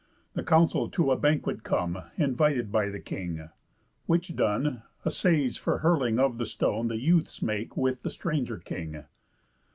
The Council to a banquet come, Invited by the King. Which done, Assays for hurling of the stone The youths make with the stranger king.